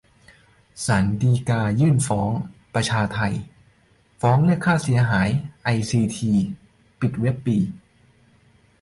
ศาลฎีกายืนรับฟ้อง 'ประชาไท' ฟ้องเรียกค่าเสียหายไอซีที ปิดเว็บปี